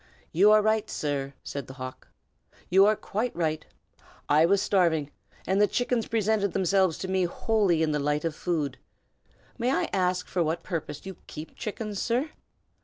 "You are right, sir!" said the hawk. "You are quite right! I was starving, and the chickens presented themselves to me wholly in the light of food. May I ask for what purpose you keep chickens, sir?"